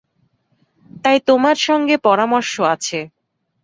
তাই তোমার সঙ্গে পরামর্শ আছে।